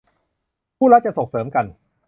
คู่รักจะส่งเสริมกัน